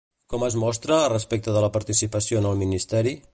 Com es mostra respecte de la participació en el Ministeri?